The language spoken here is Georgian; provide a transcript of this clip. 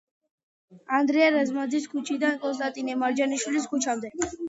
ანდრია რაზმაძის ქუჩიდან კონსტატინე მარჯანიშვილის ქუჩამდე.